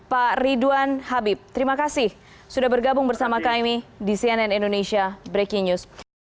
pak ridwan habib terima kasih sudah bergabung bersama kami di cnn indonesia breaking news